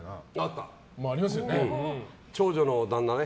長女の旦那ね。